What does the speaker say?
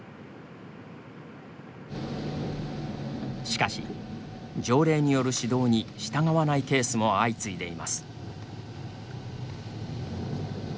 しかし、条例による指導に従わないケースも相次いでいます。